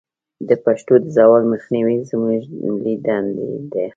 د پښتو د زوال مخنیوی زموږ ملي دندې ده.